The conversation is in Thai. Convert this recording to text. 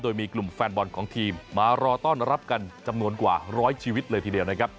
โดยมีกลุ่มแฟนบอลของทีมมารอต้อนรับกันจำนวนกว่าร้อยชีวิตเลยทีเดียวนะครับ